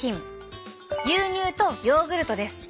牛乳とヨーグルトです。